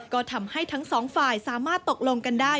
ก็ทำให้ทั้งสองฝ่ายสามารถตกลงกันได้